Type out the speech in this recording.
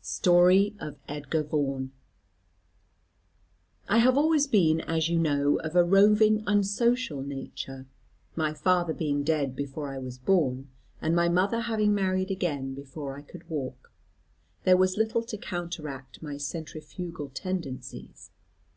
STORY OF EDGAR VAUGHAN. "I have always been, as you know, of a roving unsocial nature. My father being dead before I was born, and my mother having married again before I could walk, there was little to counteract my centrifugal tendencies.